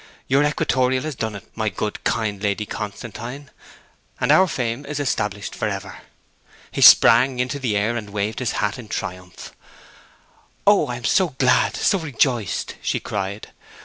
Your equatorial has done it, my good, kind Lady Constantine, and our fame is established for ever!' He sprang into the air, and waved his hat in his triumph. 'Oh, I am so glad so rejoiced!' she cried.